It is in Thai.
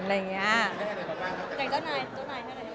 เจ้านายให้อะไร